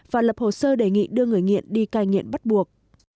và lập hồ sơ đề nghị đưa người nghiện đi cai nghiện bắt buộc